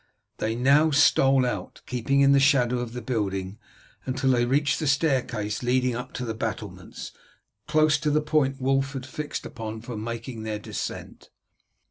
They now stole out, keeping in the shadow of the building, until they reached the staircase leading up to the battlements, close to the point Wulf had fixed upon for making their descent.